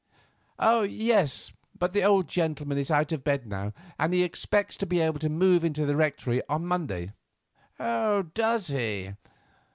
"Yes; but the old gentleman is out of bed now, and he expects to be able to move into the Rectory on Monday." "Does he?